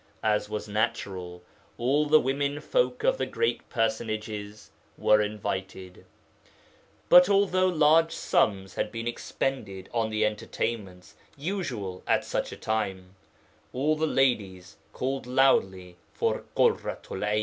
As was natural, all the women folk of the great personages were invited. But although large sums had been expended on the entertainments usual at such a time, all the ladies called loudly for Ḳurratu'l 'Ayn.